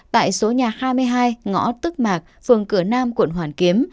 tại số nhà hai mươi hai ngõ tức mạc phường cửa nam quận hoàn kiếm